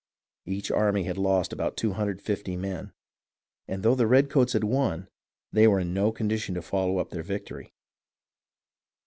Each army had lost about 250 men, and though the redcoats had won, they were in no condition to follow up their victory.